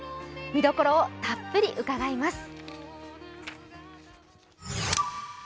見どころをたっぷり伺います。